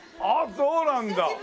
あっそうなんだ。